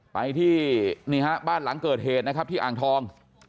ไปที่นี่ฮะบ้านหลังเกิดเหตุนะครับที่อ่างทอง